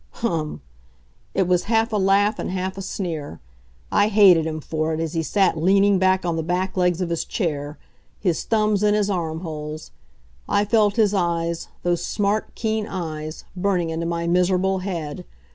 "Hum!" It was half a laugh, and half a sneer. I hated him for it, as he sat leaning back on the back legs of his chair, his thumbs in his arm holes. I felt his eyes those smart, keen eyes, burning into my miserable head.